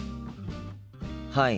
はい。